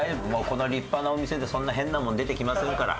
この立派なお店でそんな変なもん出てきませんから。